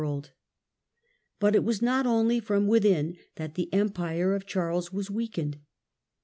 Disiutegra But it was not only from within that the Empire of ninth Charles was weakened.